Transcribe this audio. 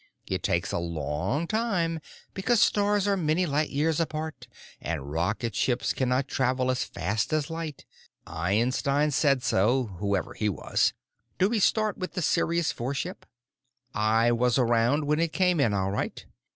It takes a long time, because stars are many light years apart and rocket ships cannot travel as fast as light. Einstein said so—whoever he was. Do we start with the Sirius IV ship? I was around when it came in, all right.